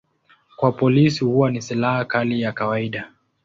Kwa polisi huwa ni silaha kali ya kawaida.